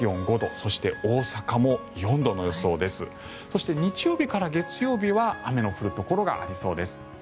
そして日曜日から月曜日は雨の降るところがありそうです。